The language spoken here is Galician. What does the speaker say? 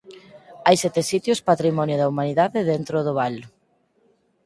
Hai sete sitios Patrimonio da Humanidade dentro do val.